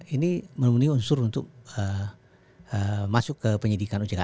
ini memenuhi unsur untuk masuk ke penyidikan ojk